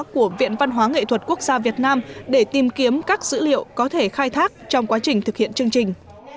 của viện văn hóa nghệ thuật quốc gia việt nam để tìm kiếm các dữ liệu có thể khai thác trong quá trình thực hiện chương trình